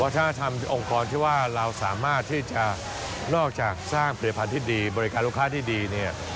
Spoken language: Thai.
ถ้าทำองค์กรที่ว่าเราสามารถที่จะนอกจากสร้างผลิตภัณฑ์ที่ดีบริการลูกค้าที่ดีเนี่ย